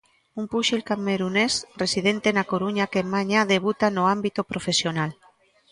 Un púxil camerunés residente na Coruña que mañá debuta no ámbito profesional.